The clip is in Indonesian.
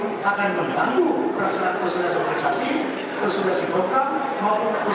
itu perasaan persenjataan organisasi persenjataan golkar maupun persenjataan pemenang dari partai golkar